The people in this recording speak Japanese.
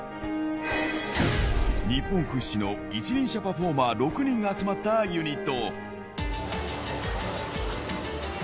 日本屈指の一輪車パフォーマー６人が集まったユニット。